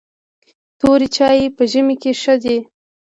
توري چای په ژمي کې ښه دي .